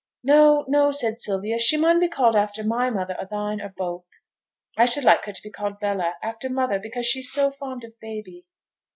'No, no!' said Sylvia; 'she mun be called after my mother, or thine, or both. I should like her to be called Bella, after mother, because she's so fond of baby.'